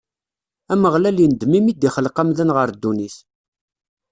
Ameɣlal indem imi i d-ixleq amdan ɣer ddunit.